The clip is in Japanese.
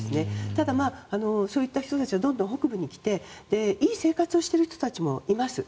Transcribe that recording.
ただ、そういった人たちがどんどん北部に来ていい生活をしている人たちもいます。